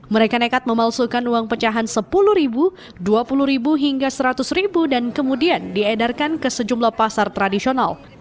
mereka nekat memalsukan uang pecahan sepuluh ribu dua puluh ribu hingga seratus ribu dan kemudian diedarkan ke sejumlah pasar tradisional